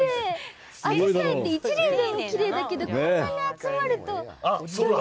あじさいって１輪でもきれいだけど、こんなに集まると、より